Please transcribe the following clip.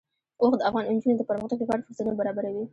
اوښ د افغان نجونو د پرمختګ لپاره فرصتونه برابروي.